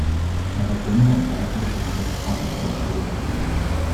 Er war Gründer und Leiter des Arbeitskreises Deutscher Widerstand.